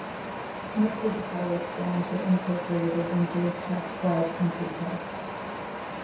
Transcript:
Most of the palace grounds were incorporated into Strathclyde Country Park.